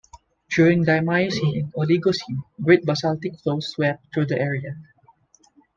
During the Miocene and Oligocene, great basaltic flows swept through the area.